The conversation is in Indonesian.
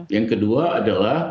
yang kedua adalah